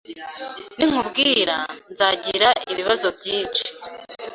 Ninkubwira, nzagira ibibazo byinshi